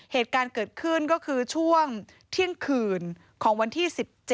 เหตุการณ์เกิดขึ้นก็คือช่วงเที่ยงคืนของวันที่๑๗